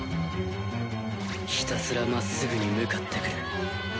ひたすらまっすぐに向かってくる。